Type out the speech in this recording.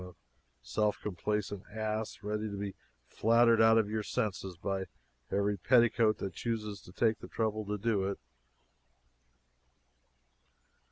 A self complacent ass, ready to be flattered out of your senses by every petticoat that chooses to take the trouble to do it!"